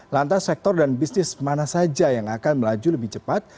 lantas sektor dan bisnis mana saja yang akan melaju lebih cepat